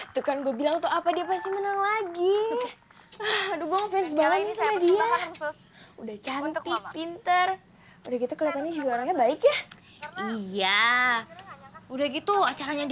sampai jumpa di video selanjutnya